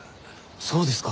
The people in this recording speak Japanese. そうですか。